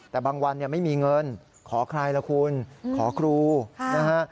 แต่บางวันเนี่ยไม่มีเงินขอใครล่ะคุณขอครูนะฮะ